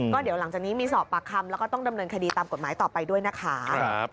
ก็เดี๋ยวหลังจากนี้มีสอบปากคำแล้วก็ต้องดำเนินคดีตามกฎหมายต่อไปด้วยนะคะ